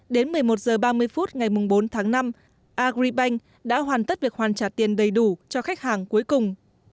đến một mươi một h ba mươi phút ngày bốn tháng năm agribank đã hoàn tất việc hoàn trả tiền đầy đủ cho khách hàng cuối cùng